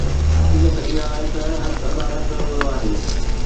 حقيقت اها آهي ته حق ادا نه ڪيو ويو آهي